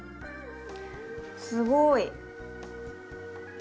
すごい。